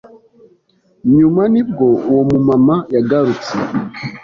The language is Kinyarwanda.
Nyuma nibwo uwo mumama yagarutse